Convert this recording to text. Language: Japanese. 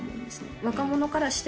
若者からしても。